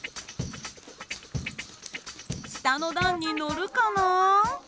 下の段にのるかな？